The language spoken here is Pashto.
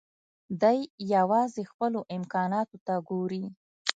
دی يوازې خپلو امکاناتو ته ګوري.